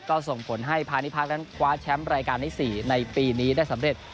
ก็ส่งผลให้พาณิพักนั้นคว้าแชมป์รายการที่๔ในปีนี้ได้สำเร็จ